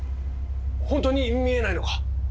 本当に見えないのか？